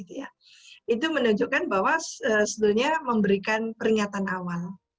itu menunjukkan bahwa sebenarnya memberikan peringatan awal